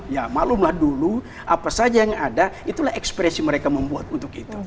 ya maklumlah dulu apa saja yang ada itulah ekspresi mereka membuat untuk itu